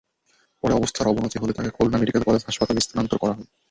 পরে অবস্থার অবনতি হলে তাঁকে খুলনা মেডিকেল কলেজ হাসপাতালে স্থানান্তর করা হয়।